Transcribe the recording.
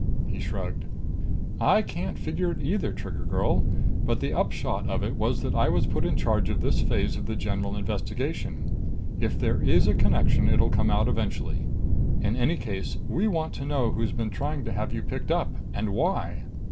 He shrugged. "I can't figure it either, Trigger girl. But the upshot of it was that I was put in charge of this phase of the general investigation. If there is a connection, it'll come out eventually. In any case, we want to know who's been trying to have you picked up and why."